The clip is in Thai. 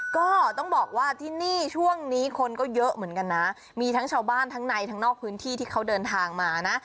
ก็ต้องบอกว่าที่นี่ช่วงนี้คนก็เยอะเหมือนกันนะมีทั้งชาวบ้านทั้งในทั้งนอกพื้นที่ที่เขาเดินทางมานะ